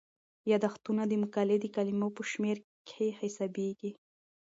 یادښتونه د مقالې د کلمو په شمیر کې حسابيږي.